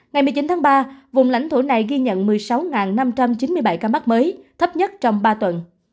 ngày một mươi chín tháng ba vùng lãnh thổ này ghi nhận một mươi sáu năm trăm chín mươi bảy ca mắc mới thấp nhất trong ba tuần